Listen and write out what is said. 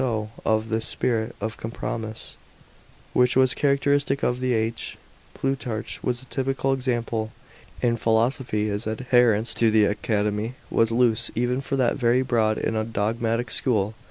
Of this spirit of com promise, which was characteristic of the age, Plutarch was a typical example. "In philosophy his adherence to the Academy was loose even for that very broad and undogmatic school.